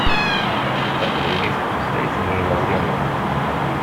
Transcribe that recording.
Taqbaylit d tutlayt n imawlan-iw.